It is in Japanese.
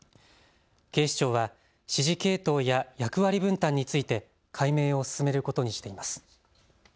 警視庁は指示系統や役割分担について解明を進めることにしています。